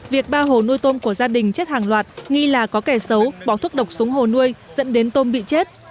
việc ba hồ nuôi tôm của gia đình chết hàng loạt nghi là có kẻ xấu bỏ thuốc độc xuống hồ nuôi dẫn đến tôm bị chết